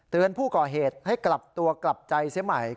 ผู้ก่อเหตุให้กลับตัวกลับใจเสียใหม่